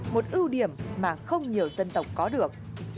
một ưu điểm mà không nhiều dân tộc có được